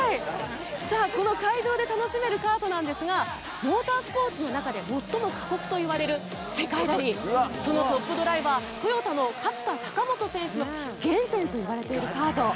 この会場で楽しめるカートなんですがモータースポーツの中で最も過酷といわれる世界ラリーそのトップドライバートヨタの勝田貴元選手の原点といわれているカート。